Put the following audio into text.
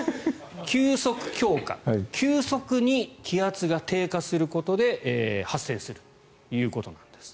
急速強化急速に気圧が低下することで発生するということなんです。